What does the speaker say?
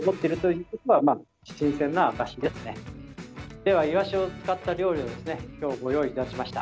では、イワシを使った料理を今日、ご用意いたしました。